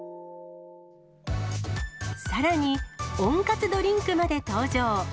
さらに、温活ドリンクまで登場。